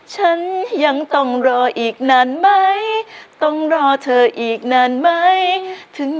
เจอกับฉันและรักเรา